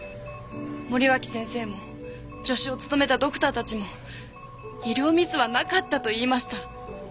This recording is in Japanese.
森脇先生も助手を務めたドクターたちも医療ミスはなかったと言いました。